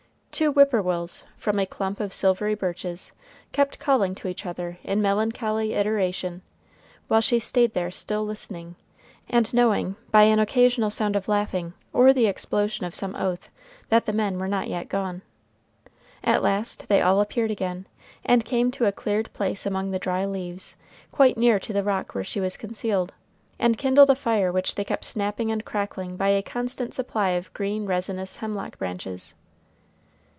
Two whippoorwills, from a clump of silvery birches, kept calling to each other in melancholy iteration, while she stayed there still listening, and knowing by an occasional sound of laughing, or the explosion of some oath, that the men were not yet gone. At last they all appeared again, and came to a cleared place among the dry leaves, quite near to the rock where she was concealed, and kindled a fire which they kept snapping and crackling by a constant supply of green resinous hemlock branches.